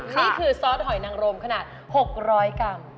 นี่คือซอสหอยนางลมขนาด๖๐๐กรัม